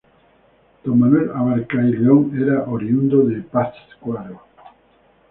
Don Manuel Abarca y León era oriundo de Pátzcuaro.